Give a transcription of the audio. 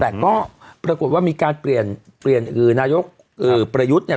แต่ก็ปรากฏว่ามีการเปลี่ยนเปลี่ยนนายกประยุทธ์เนี่ย